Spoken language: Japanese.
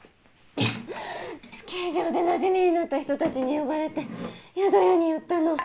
スキー場でなじみになった人たちに呼ばれて宿屋に寄ったの。